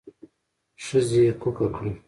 ښځې کوکه کړه.